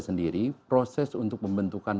sendiri proses untuk membentukan